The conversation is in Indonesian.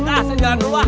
ah senjalan dua